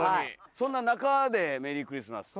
そんな中でメリークリスマスっていう。